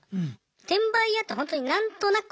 転売ヤーってほんとに何となく悪者。